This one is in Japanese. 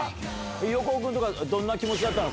横尾君どんな気持ちだったの？